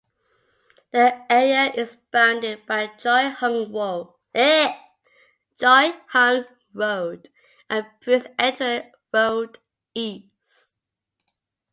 The area is bounded by Choi Hung Road and Prince Edward Road East.